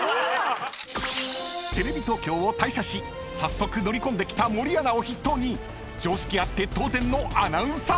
⁉［テレビ東京を退社し早速乗り込んできた森アナを筆頭に常識あって当然のアナウンサーチーム］